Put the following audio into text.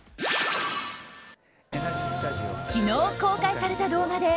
昨日公開された動画で